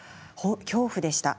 恐怖でした。